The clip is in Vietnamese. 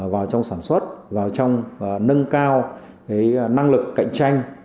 vào trong sản xuất vào trong nâng cao năng lực cạnh tranh